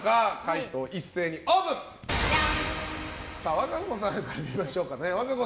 和歌子さんから見ましょうかね。